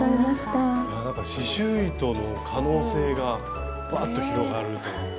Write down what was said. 刺しゅう糸の可能性がバッと広がるというか。